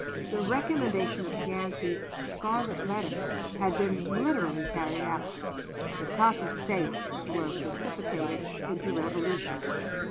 The recommendation of Yancey's "scarlet letter" had been literally carried out; the Cotton States were precipitated into revolution.